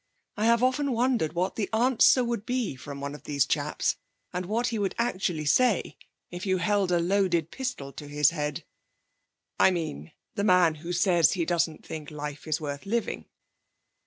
I have often wondered what the answer would be from one of these chaps, and what he would actually say, if you held a loaded pistol to his head I mean the man who says he doesn't think life worth living.'